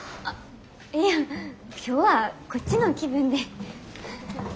いや今日はこっちの気分で。